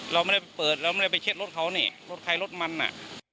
เราไม่ได้ไปเปิดเราไม่ได้ไปเช็ดรถเขานี่รถใครรถมันอ่ะ